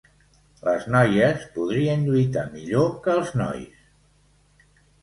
Les noies podrien lluitar millor que els nois!